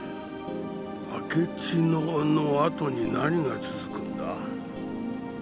「あけちの」のあとに何が続くんだ？